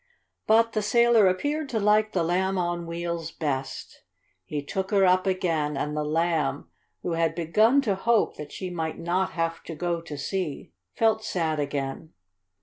But the sailor appeared to like the Lamb on Wheels best. He took her up again, and the Lamb, who had begun to hope that she might not have to go to sea, felt sad again.